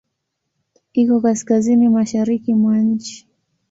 Iko Kaskazini mashariki mwa nchi.